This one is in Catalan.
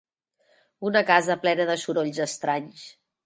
Una casa plena de sorolls estranys.